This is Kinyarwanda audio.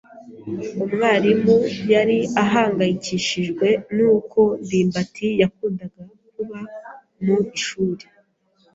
Umwarimu yari ahangayikishijwe nuko ndimbati yakundaga kuba mu ishuri.